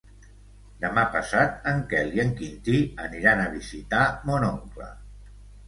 Demà passat en Quel i en Quintí aniran a visitar mon oncle.